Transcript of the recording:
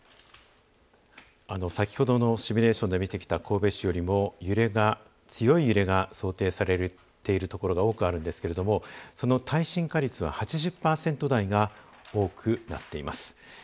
先ほどのシミュレーションで見てきた神戸市よりも強い揺れが想定されているところが多くあるんですけれどもその耐震化率は８０％台が多くなっています。